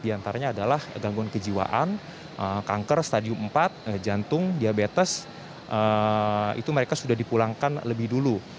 di antaranya adalah gangguan kejiwaan kanker stadium empat jantung diabetes itu mereka sudah dipulangkan lebih dulu